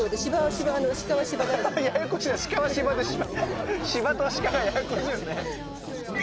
シバとシカがややこしいですね。